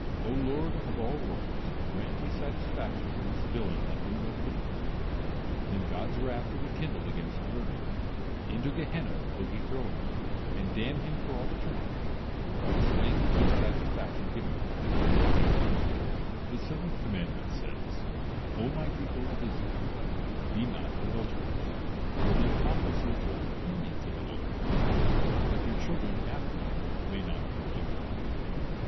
O Lord of all worlds! Grant me satisfaction from this villain that knew no pity for me." Then God's wrath will be kindled against the murderer, into Gehenna will he throw him and damn him for all eternity, while the slain will see satisfaction given him, and be glad. The seventh commandment says: "O My people of Israel, be not adulterers, nor the accomplices or companions of adulterers, that your children after you may not be adulterers.